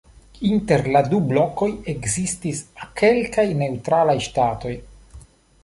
Inter la du blokoj ekzistis kelkaj neŭtralaj ŝtatoj.